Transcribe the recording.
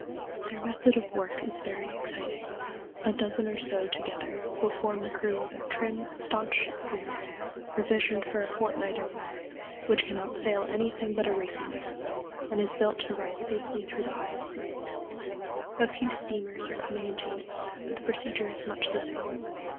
Their method of work is very exciting. A dozen or so together will form the crew of a trim, stanch schooner, provisioned for a fortnight or more, which can outsail anything but a racing yacht, and is built to ride safely through the highest seas. A few steamers are coming into use, but the procedure is much the same.